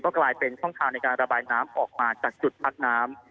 กลายเป็นช่องทางในการระบายน้ำออกมาจากจุดพักน้ำ